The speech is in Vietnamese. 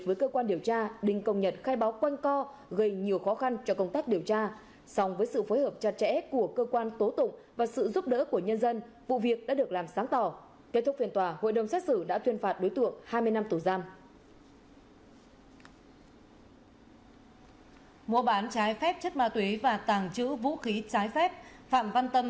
mua bán trái phép chất ma túy và tàng trữ vũ khí trái phép phạm văn tâm